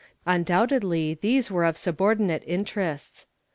Undoubtedly these were subordinate interests.